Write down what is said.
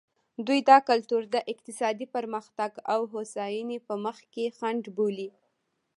دوی دا کلتور د اقتصادي پرمختګ او هوساینې په مخ کې خنډ بولي.